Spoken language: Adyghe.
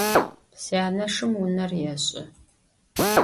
Syaneşşım vuner yêş'ı.